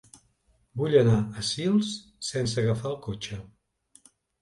Vull anar a Sils sense agafar el cotxe.